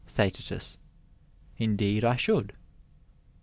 ThecBi. Indeed I should.